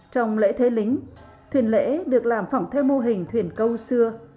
trong lễ thế lính thuyền lễ được làm phỏng theo mô hình thuyền câu xưa